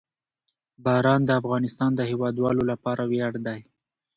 باران د افغانستان د هیوادوالو لپاره ویاړ دی.